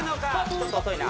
ちょっと遅いな。